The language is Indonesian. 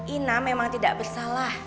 ina memang tidak bersalah